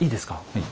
はい。